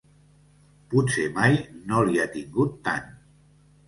Potser mai no li ha tingut tant.